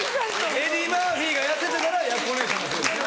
エディ・マーフィが痩せてたらやっこ姉さんのせいですね。